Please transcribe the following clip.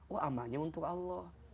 wah amalnya untuk allah